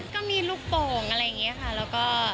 ก็มีลูกโป่งอะไรอย่างนี้ค่ะแล้วก็